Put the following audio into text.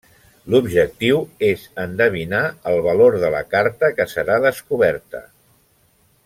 L'objectiu és endevinar el valor de la carta que serà descoberta.